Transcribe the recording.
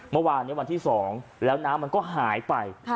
เมื่อวานนี้วันที่๒แล้วน้ำมันก็หายไป